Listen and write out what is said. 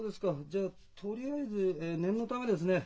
じゃあとりあえず念のためですね